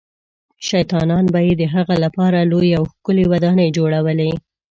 شیطانان به یې د هغه لپاره لویې او ښکلې ودانۍ جوړولې.